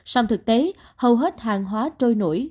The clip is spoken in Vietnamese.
sẵn thực tế hầu hết hàng hóa trôi nổi